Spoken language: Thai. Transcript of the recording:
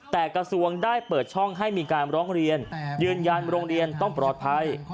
แต่กระทรวงได้เปิดช่องให้มีการร้องเรียนยืนยันโรงเรียนต้องปลอดภัย